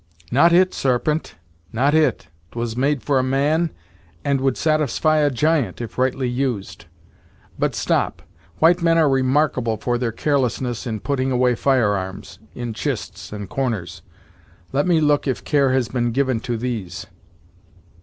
"Not it, Sarpent; not it 'twas made for a man and would satisfy a giant, if rightly used. But stop; white men are remarkable for their carelessness in putting away fire arms, in chists and corners. Let me look if care has been given to these."